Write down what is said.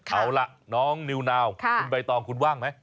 เอาล่ะน้องนิวนาวคุณใบตองคุณว่างไหม